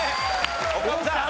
岡部さん